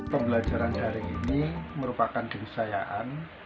pembelajaran daring ini merupakan kenisayaan